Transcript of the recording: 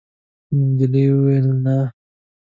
نجلۍ وویل: «نه.»